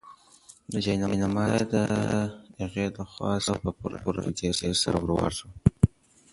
د جاینماز ژۍ د هغې لخوا په پوره عقیدت سره ورواړول شوه.